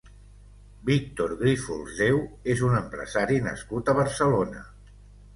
Víctor Grífols Deu és un empresari nascut a Barcelona.